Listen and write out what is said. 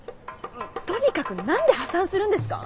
とにかく何で破産するんですか？